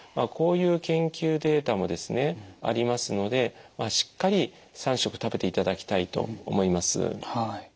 こういう研究データもですねありますのでしっかり３食食べていただきたいと思います。